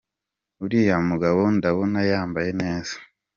Uriya mugabo ndabona yambaye neza.